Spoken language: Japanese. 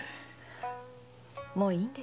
もういいんです。